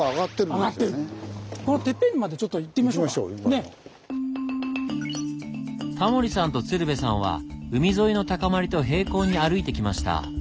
えっ⁉タモリさんと鶴瓶さんは海沿いの高まりと平行に歩いてきました。